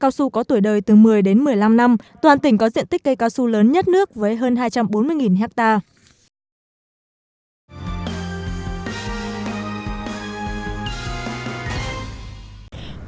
cao su có tuổi đời từ một mươi đến một mươi năm năm toàn tỉnh có diện tích cây cao su lớn nhất nước với hơn hai trăm bốn mươi hectare